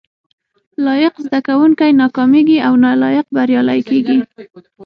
لايق زده کوونکي ناکامېږي او نالايق بريالي کېږي